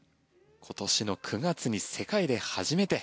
今年の９月に世界で初めて